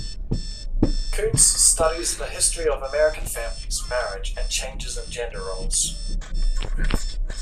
Coontz studies the history of American families, marriage, and changes in gender roles.